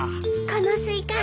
このスイカ